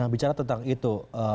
nah bicara tentang itu